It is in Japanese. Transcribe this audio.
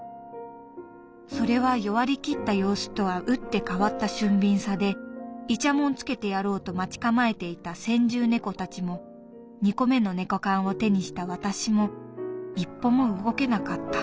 それは弱り切った様子とは打って変わった俊敏さでイチャモンつけてやろうと待ち構えていた先住猫たちも二個目の猫缶を手にした私も一歩も動けなかった。